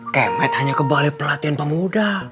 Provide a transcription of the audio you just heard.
kemet hanya kebalai pelatihan pemuda